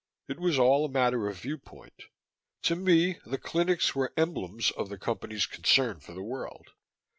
It was all a matter of viewpoint. To me, the clinics were emblems of the Company's concern for the world.